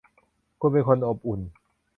คุณเป็นคนอบอุ่น